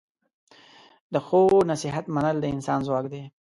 د ښو نصیحت منل د انسان ځواک دی.